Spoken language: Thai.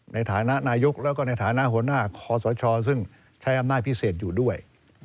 ในฐานะนายกแล้วก็ในฐานะหัวหน้าคอสชซึ่งใช้อำนาจพิเศษอยู่ด้วย